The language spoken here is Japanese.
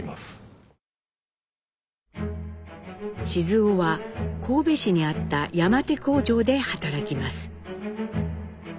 雄は神戸市にあった山手工場で働きます。